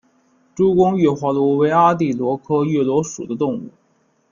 珠光月华螺为阿地螺科月华螺属的动物。